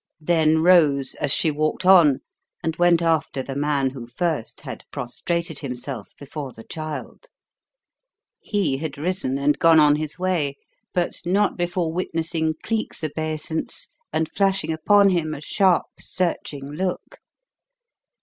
Then rose, as she walked on, and went after the man who first had prostrated himself before the child. He had risen and gone on his way, but not before witnessing Cleek's obeisance, and flashing upon him a sharp, searching look.